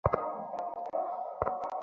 তাহলে নিজের বন্ধুকে খুন করলি কেন?